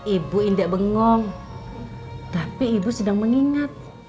ibu indek bengong tapi ibu sedang mengingat